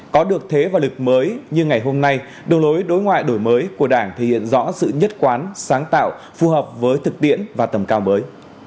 có được thế và lực mới như ngày hôm nay đường lối đối ngoại đổi mới của đảng thể hiện rõ sự nhất quán sáng tạo phù hợp với thực tiễn và tầm cao mới